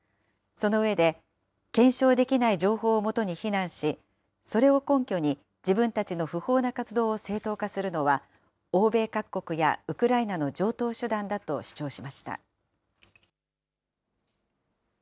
その上で、検証できない情報をもとに非難し、それを根拠に自分たちの不法な活動を正当化するのは、欧米各国やウクライナの常とう手段だと主張しました。